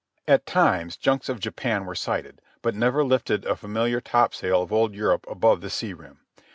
At times junks of Japan were sighted, but never lifted a familiar topsail of old Europe above the sea rim.